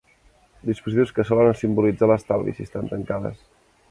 Dispositius que solen simbolitzar l'estalvi, si estan tancades.